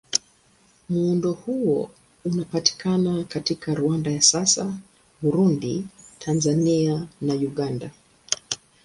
Muundo huo unapatikana katika Rwanda ya sasa, Burundi, Tanzania na Uganda.